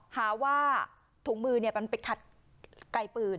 หาว่าถุงมือมันไปขัดไกลปืน